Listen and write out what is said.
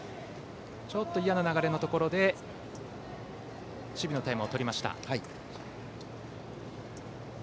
ちょっと嫌な流れのところで守備のタイムをとりました。